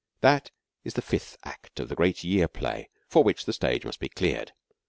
That is the fifth act of the great Year Play for which the stage must be cleared.